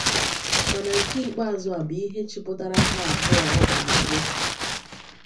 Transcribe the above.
Mana nke ikpeazụ a bụ ihe chịpụtara ha abụọ ọkpa n'iro.